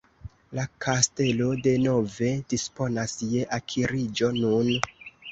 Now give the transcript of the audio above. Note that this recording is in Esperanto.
La kastelo denove disponas je akiriĝo nun.